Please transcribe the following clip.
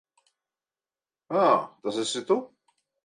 Ā, tas esi tu.